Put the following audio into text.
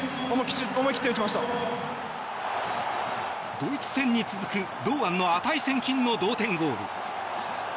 ドイツ戦に続く堂安の値千金の同点ゴール。